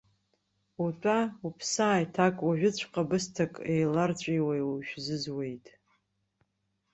Утәа, уԥсы ааиҭак, уажәыҵәҟьа бысҭак еиларҵәиуа ишәзызуеит.